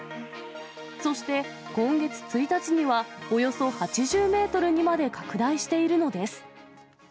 そして、今月１日にはおよそ８０メートルにまで拡大しているのです。